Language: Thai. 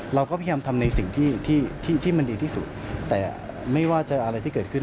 เราก็พยายามทำในสิ่งที่ที่มันดีที่สุดแต่ไม่ว่าจะอะไรที่เกิดขึ้น